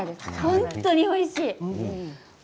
本当においしい。